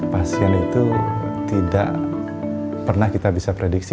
pasien itu tidak pernah kita bisa prediksi